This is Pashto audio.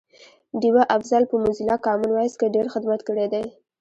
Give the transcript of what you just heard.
ډیوه افضل په موزیلا کامن وایس کی ډېر خدمت کړی دی